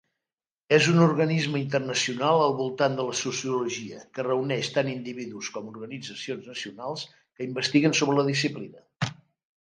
És un organisme internacional al voltant de la Sociologia que reuneix tant individus com organitzacions nacionals que investiguen sobre la disciplina.